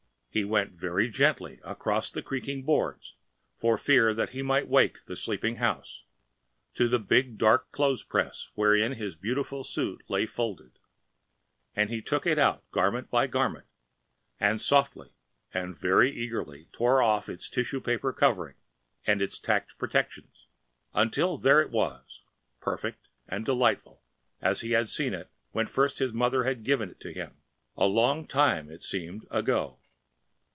He went very gently across the creaking boards, for fear that he might wake the sleeping house, to the big dark clothes press wherein his beautiful suit lay folded, and he took it out garment by garment and softly and very eagerly tore off its tissue paper covering and its tacked protections, until there it was, perfect and delightful as he had seen it when first his mother had given it to him‚ÄĒa long time it seemed ago.